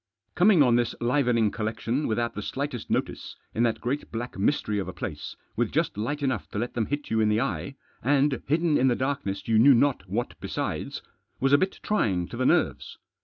Coming on this livening collection without the slightest notice, in that great black mystery of a place, with just light enough to let them hit you in the eye, and hidden in the darkness you knew not what besides, was a bit trying to the nerves.